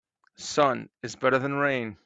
Sun is better than rain.